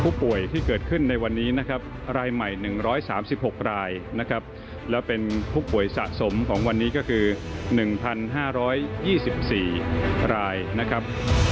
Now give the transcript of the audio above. ผู้ป่วยที่เกิดขึ้นในวันนี้นะครับรายใหม่๑๓๖รายนะครับแล้วเป็นผู้ป่วยสะสมของวันนี้ก็คือ๑๕๒๔รายนะครับ